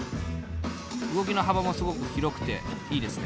動きの幅もすごく広くていいですね。